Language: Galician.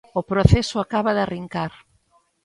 O proceso acaba de arrincar.